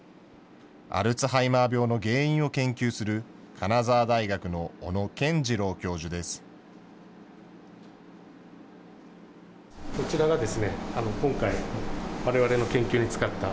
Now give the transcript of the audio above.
アルツハイマー病の原因を研究する金沢大学の小野賢二郎教授です。